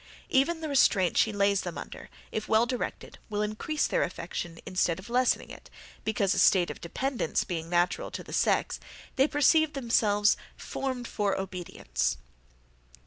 Even the restraint she lays them under, if well directed, will increase their affection, instead of lessening it; because a state of dependence being natural to the sex, they perceive themselves formed for obedience."